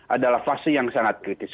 adalah fase yang sangat kritis